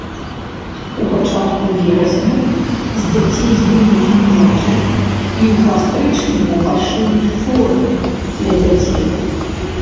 У пачатку верасня з дзяцей знімуць меркі і ў кастрычніку пашыюць форму для дзяцей.